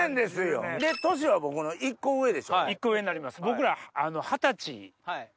僕ら二十歳。